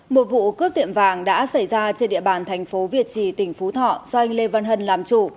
một vụ cướp tiệm vàng đã xảy ra trên địa bàn thành phố việt trì tỉnh phú thọ do anh lê văn hân làm chủ